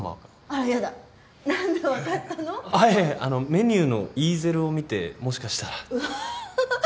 あっいやいやあのメニューのイーゼルを見てもしかしたらと。